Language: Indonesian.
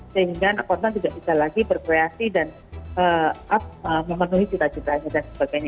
sehingga anak korban tidak bisa lagi berkreasi dan memenuhi cita citanya dan sebagainya